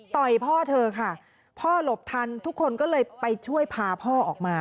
พ่อเธอค่ะพ่อหลบทันทุกคนก็เลยไปช่วยพาพ่อออกมา